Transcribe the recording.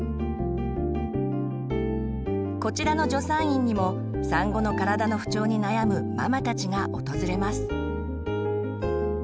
こちらの助産院にも産後の体の不調に悩むママたちが訪れます。